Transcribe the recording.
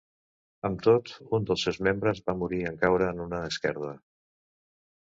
Amb tot, un dels seus membres va morir en caure en una esquerda.